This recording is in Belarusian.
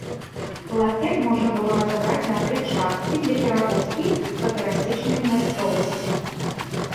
Лафет можна было разабраць на тры часткі для перавозкі па перасечанай мясцовасці.